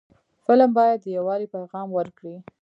فلم باید د یووالي پیغام ورکړي